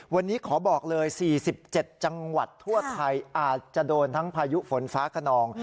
วันนี้ขอบอกเลย๔๗จังหวัดทั่วไทยอาจจะโดนทั้งพายุฝนฟ้าขนอง